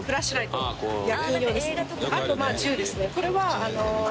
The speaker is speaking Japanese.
これは。